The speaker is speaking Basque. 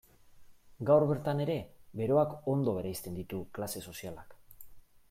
Gaur bertan ere beroak ondo bereizten ditu klase sozialak.